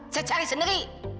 saya cari sendiri